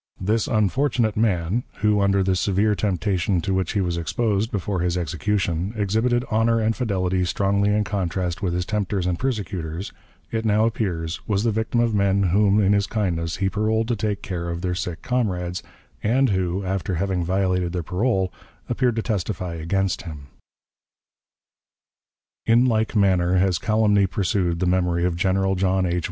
This unfortunate man who, under the severe temptation to which he was exposed before his execution, exhibited honor and fidelity strongly in contrast with his tempters and persecutors it now appears, was the victim of men whom, in his kindness, he paroled to take care of their sick comrades, and who, after having violated their parole, appeared to testify against him. In like manner has calumny pursued the memory of General John H.